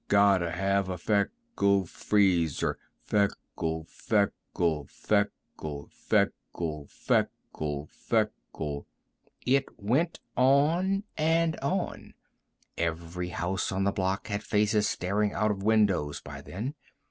Gotta have a Feckle Freezer! Feckle, Feckle, Feckle, Feckle, Feckle, Feckle " It went on and on. Every house on the block had faces staring out of windows by then.